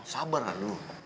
sabar lah dulu